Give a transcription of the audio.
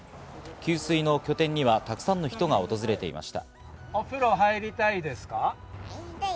給水の拠点にはたくさんの人が訪れていました。